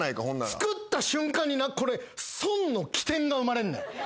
作った瞬間にな損の起点が生まれんねん。